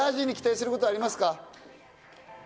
ラージに期待することはありますか？